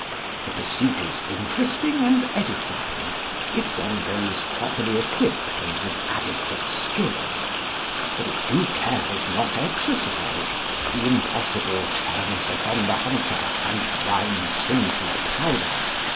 The pursuit is interesting and edifying, if one goes properly equipped, and with adequate skill. But if due care is not exercised, the impossible turns upon the hunter and grinds him to powder.